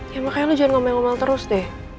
ya makanya lu jangan ngomel ngomel terus deh